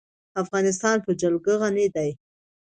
افغانستان په جلګه غني دی.